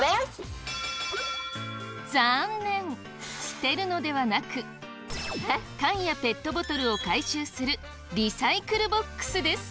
捨てるのではなく缶やペットボトルを回収するリサイクルボックスです。